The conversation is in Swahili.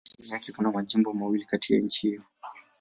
Chini yake kuna majimbo mawili katika nchi hiyohiyo.